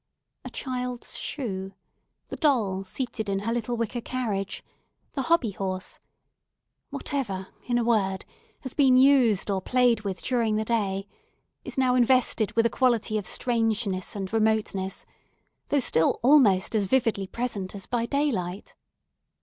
A child's shoe; the doll, seated in her little wicker carriage; the hobby horse—whatever, in a word, has been used or played with during the day is now invested with a quality of strangeness and remoteness, though still almost as vividly present as by daylight.